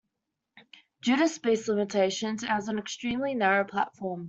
Due to space limitations, it has an extremely narrow platform.